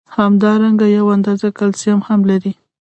همدارنګه یو اندازه کلسیم هم لري.